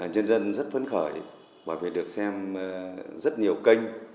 nhân dân rất phấn khởi bởi vì được xem rất nhiều kênh